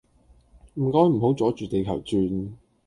唔該唔好阻住地球轉